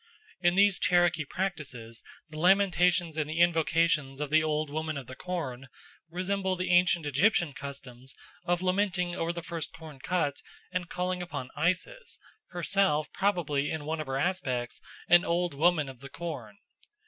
In these Cherokee practices the lamentations and the invocations of the Old Woman of the Corn resemble the ancient Egyptian customs of lamenting over the first corn cut and calling upon Isis, herself probably in one of her aspects an Old Woman of the Corn.